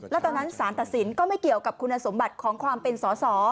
แล้วตอนนั้นสารตัดสินก็ไม่เกี่ยวกับคุณสมบัติของความเป็นสอสอ